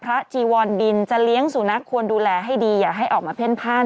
จีวอนบินจะเลี้ยงสุนัขควรดูแลให้ดีอย่าให้ออกมาเพ่นผ้าน